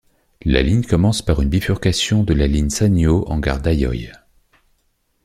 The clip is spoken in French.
La ligne commence par une bifurcation de la ligne Sanyō en gare d'Aioi.